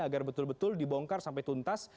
agar betul betul dibongkar sampai tuntas